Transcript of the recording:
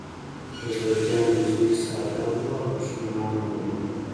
د زرجانې زوی ساده و او دښمنانو ونیوه